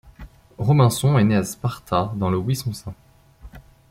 Robinson est né à Sparta dans le Wisconsin.